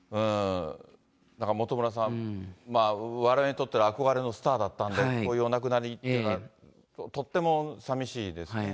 なんか本村さん、われわれにとっては憧れのスターだったんで、こういうお亡くなり方というのはとってもさみしいですね。